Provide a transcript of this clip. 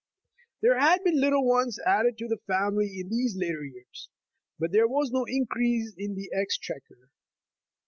There had been little ones added to the family in these later vears, but there was no increase in the ex chequer.